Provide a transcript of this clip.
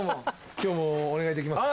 今日もお願いできますか？